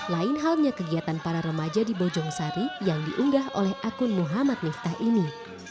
lain halnya kegiatan para remaja di bojong sari yang diunggah oleh akun muhammad miftah ini